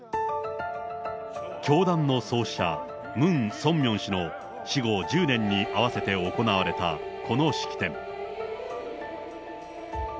教団の創始者、ムン・ソンミョン氏の死後１０年に合わせて行われたこの式典。